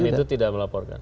dan itu tidak melaporkan